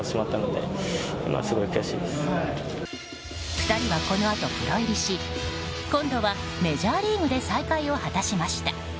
２人はこのあとプロ入りし今度はメジャーリーグで再会を果たしました。